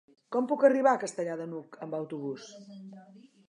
Com puc arribar a Castellar de n'Hug amb autobús?